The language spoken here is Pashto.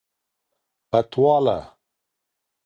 پتواله